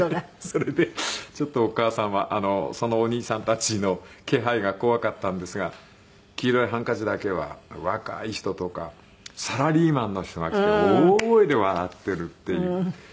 それでちょっとお母さんはそのお兄さんたちの気配が怖かったんですが『黄色いハンカチ』だけは若い人とかサラリーマンの人が来て大声で笑っているっていう。